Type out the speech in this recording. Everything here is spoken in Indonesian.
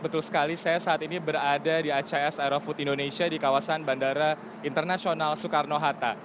betul sekali saya saat ini berada di acs aerofood indonesia di kawasan bandara internasional soekarno hatta